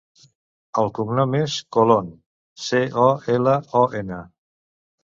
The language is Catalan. El cognom és Colon: ce, o, ela, o, ena.